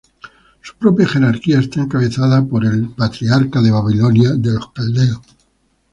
Su propia jerarquía está encabezada por el "patriarca de Babilonia de los caldeos".